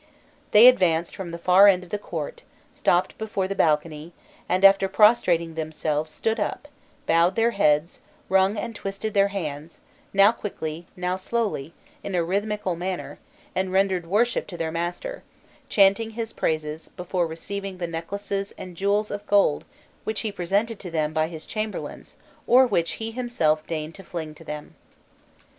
They advanced from the far end of the court, stopped before the balcony, and after prostrating themselves stood up, bowed their heads, wrung and twisted their hands, now quickly, now slowly, in a rhythmical manner, and rendered worship to their master, chanting his praises, before receiving the necklaces and jewels of gold which he presented to them by his chamberlains, or which he himself deigned to fling to them.